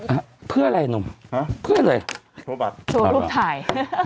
อ่ะเพื่ออะไรหนุ่มฮะเพื่ออะไรโทรบัตรโชว์รูปถ่าย